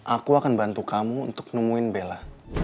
aku akan bantu kamu untuk nemuin bella